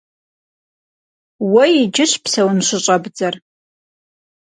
Уэ иджыщ псэун щыщӏэбдзэр.